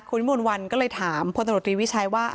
คุณณิบุญวัลก็เลยถามพลศาลตรีวิชัยว่า